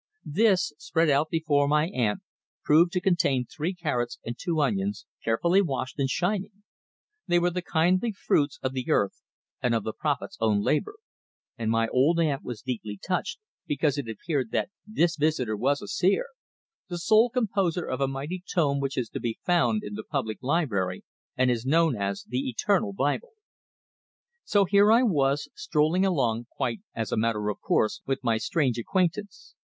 This, spread out before my aunt, proved to contain three carrots and two onions, carefully washed, and shining; they were the kindly fruits of the earth, and of the prophet's own labor, and my old auntie was deeply touched, because it appeared that this visitor was a seer, the sole composer of a mighty tome which is to be found in the public library, and is known as the "Eternal Bible." So here I was, strolling along quite as a matter of course with my strange acquaintance.